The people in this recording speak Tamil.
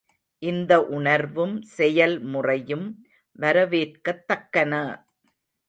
இந்த உணர்வும் செயல்முறையும் வரவேற்கத்தக்கன!